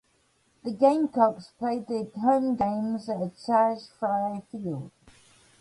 The Gamecocks played their home games at Sarge Frye Field.